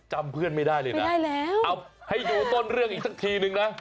เห้ยใครอ้า